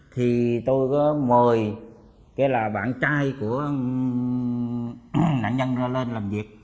thì tôi có mời cái là bạn trai của nạn nhân ra lên làm việc